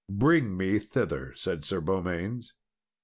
"Bring me thither," said Sir Beaumains.